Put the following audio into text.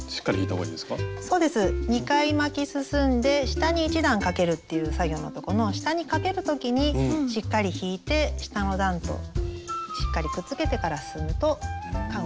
そうです２回巻き進んで下に１段かけるっていう作業のとこの下にかける時にしっかり引いて下の段としっかりくっつけてから進むとかごがしっかり出来上がります。